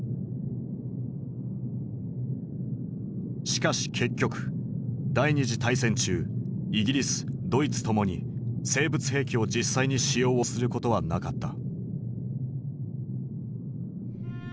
しかし結局第二次大戦中イギリスドイツともに生物兵器を実際に使用をすることはなかった。